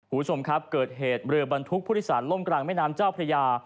คุณผู้ชมครับเกิดเหตุเรือบรรทุกผู้โดยสารล่มกลางแม่น้ำเจ้าพระยา